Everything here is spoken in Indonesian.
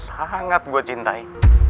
sangat gue cintai